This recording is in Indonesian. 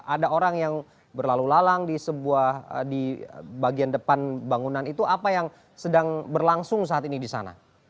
ada orang yang berlalu lalang di bagian depan bangunan itu apa yang sedang berlangsung saat ini di sana